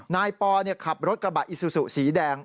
นายปอขับรถกระบะอิซูซูสีแดง